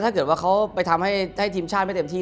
ถ้าเกิดว่าเขาไปทำให้ทีมชาติไม่เต็มที่